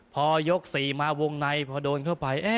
พอยก๔มาวงในพอโดนเข้าไป